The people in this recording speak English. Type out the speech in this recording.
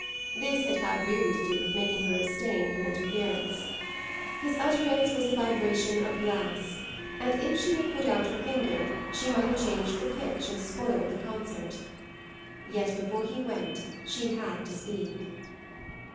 This had had really to do with making her abstain from interference. His utterance was the vibration of glass, and if she had put out her finger she might have changed the pitch and spoiled the concert. Yet before he went she had to speak.